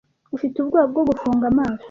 Ufite ubwoba bwo gufunga amaso